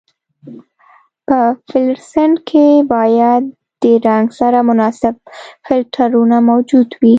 په فلورسنټ کې باید د رنګ سره مناسب فلټرونه موجود وي.